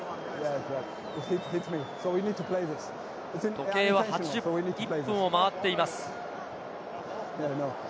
時計は８１分を回っています。